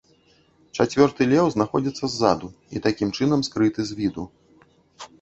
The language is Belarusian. Чацвёрты леў знаходзіцца ззаду і, такім чынам, скрыты з віду.